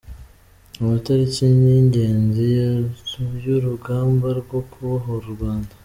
Amatariki y’ingenzi y’urugamba rwo kubohora u Rwanda